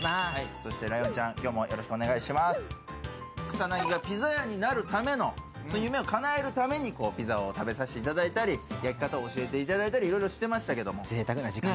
草薙がピザ屋になるためのその夢をかなえるためにピザを食べさせていただいたり焼き方を教えていただいたりいろいろしてましたけど。